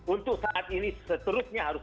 untuk saat ini seterusnya harus